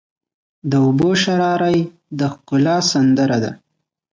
د اوبو شرهاری د ښکلا سندره ده.